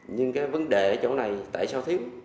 nhưng cái vấn đề ở chỗ này tại sao thiếu